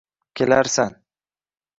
kelarsan